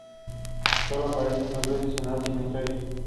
Sólo aparece dos veces en la historia.